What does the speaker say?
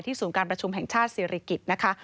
ศูนย์การประชุมแห่งชาติศิริกิจนะคะ